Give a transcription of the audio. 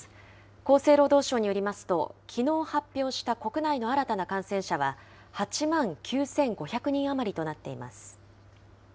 厚生労働省によりますと、きのう発表した国内の新たな感染者は、８万９５００人余りとなっています。